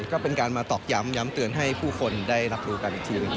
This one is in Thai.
ก็เป็นการมาตอกย้ำย้ำเตือนให้ผู้คนได้รับรู้กันอีกทีหนึ่ง